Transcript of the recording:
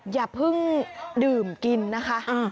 อย่าเพิ่งดื่มกินนะคะ